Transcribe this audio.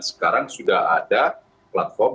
sekarang sudah ada platform